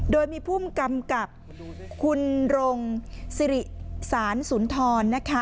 โดยมีผู้มกรรมกับคุณรงส์ศาลสุนทรนะคะ